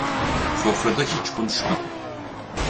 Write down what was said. Sofrada hiç konuşmadım.